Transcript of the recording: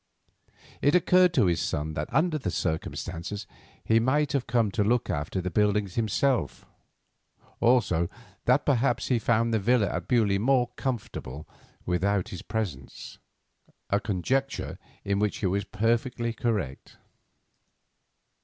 It occurred to his son that under the circumstances he might have come to look after the buildings himself; also, that perhaps he found the villa at Beaulieu more comfortable without his presence; a conjecture in which he was perfectly correct.